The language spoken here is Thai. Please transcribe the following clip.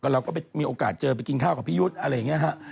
เราก็มีโอกาสเจอไปกินข้าวกับพี่ยุทธ์อะไรอย่างนี้ฮะ